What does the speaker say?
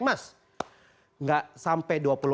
mas gak sampai